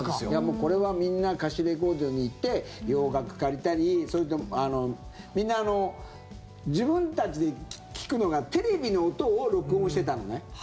これはみんな貸しレコードに行って洋楽借りたりみんな、自分たちで聴くのがテレビの音を録音してたのね。